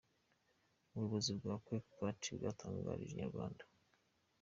Ubuyobozi bwa Quelque Part bwatangarije inyarwanda.